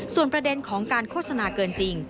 ส่วนประเด็นของการโฆษณาเกินจริง